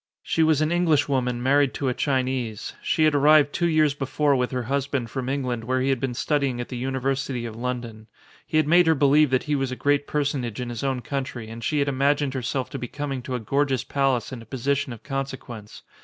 She was an Englishwoman married to a, Chinese. She had arrived two years before with 116 THE CONSUL her husband from England where he had been studying at the University of London; he had made her believe that he was a great personage in his own country and she had imagined herself to be coming to a gorgeous palace and a position of consequence.